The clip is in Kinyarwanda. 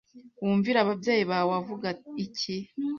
“Wumvire ababyeyi bawe Avuga iki“